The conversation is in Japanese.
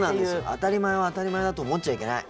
当たり前を当たり前だと思っちゃいけない。